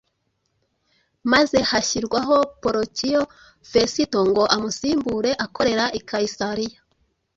maze hashyirwaho Porukiyo Fesito ngo amusimbure akorera i Kayisariya.